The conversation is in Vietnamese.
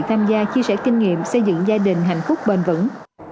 tham gia chia sẻ kinh nghiệm xây dựng gia đình hạnh phúc bền vững